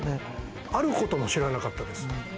あることも知らなかったです。